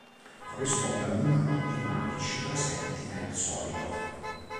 Corrisponde al "numero di manici" presenti nel solido.